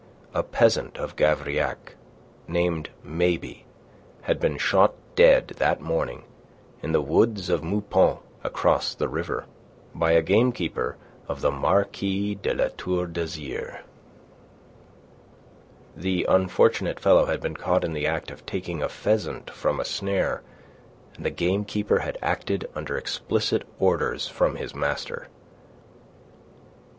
A peasant of Gavrillac, named Mabey, had been shot dead that morning in the woods of Meupont, across the river, by a gamekeeper of the Marquis de La Tour d'Azyr. The unfortunate fellow had been caught in the act of taking a pheasant from a snare, and the gamekeeper had acted under explicit orders from his master.